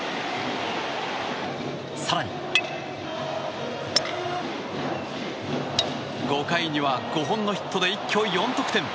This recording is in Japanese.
更に、５回には５本のヒットで一挙４得点。